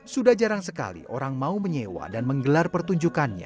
sudah jarang sekali orang mau menyewa dan menggelar pertunjukannya